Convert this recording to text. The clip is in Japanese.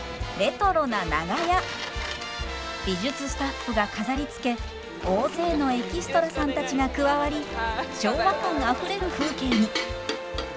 美術スタッフが飾りつけ大勢のエキストラさんたちが加わり昭和感あふれる風景に。